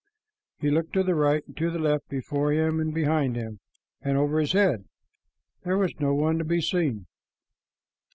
He looked to the right, to the left, before him, behind him, and over his head. There was no one to be seen.